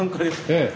ええ。